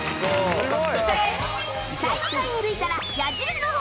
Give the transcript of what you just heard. すごい！